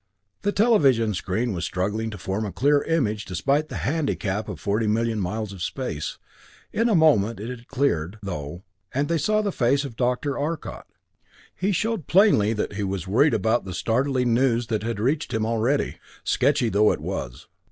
The television screen was struggling to form a clear image despite the handicap of forty million miles of space. In a moment it had cleared, though, and they saw the face of Dr. Arcot. He showed plainly that he was worried about the startling news that had reached him already, sketchy though it was.